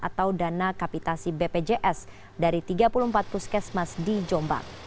atau dana kapitasi bpjs dari tiga puluh empat puskesmas di jombang